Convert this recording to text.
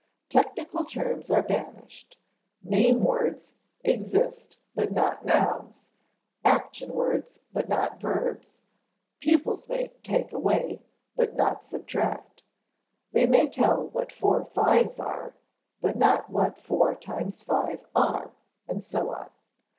Technical terms are banished: "name words" exist but not nouns; "action words" but not verbs; pupils may "take away," but not subtract; they may tell what four fives are, but not what four times five are, and so on.